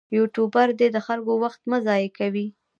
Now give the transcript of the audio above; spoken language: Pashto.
یوټوبر دې د خلکو وخت مه ضایع کوي.